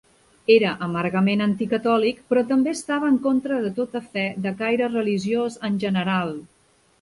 Era amargament anticatòlic però també estava en contra de tota fe de caire religiós en general.